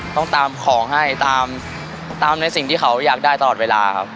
ต้องตามของให้ตามในสิ่งที่เขาอยากได้ตลอดเวลาครับ